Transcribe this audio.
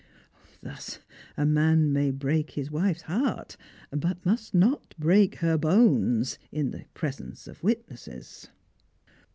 Thus, a man may break his wife's heart, but must not break her bones, in the presence of witnesses."